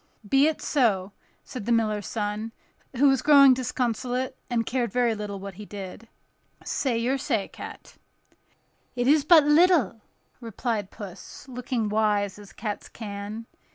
"Be it so," said the miller's son, who was growing disconsolate, and cared very little what he did: "Say your say, cat." "It is but little," replied Puss, looking wise, as cats can.